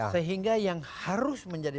sehingga yang harus menjadi